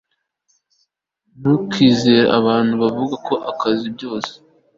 ntukizere abantu bavuga ko bazi byose